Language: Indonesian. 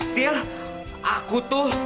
sisil aku tuh